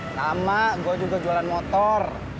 lama gue juga jualan motor